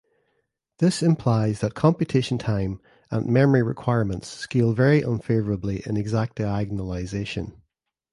This implies that computation time and memory requirements scale very unfavorably in exact diagonalization.